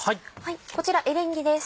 こちらエリンギです。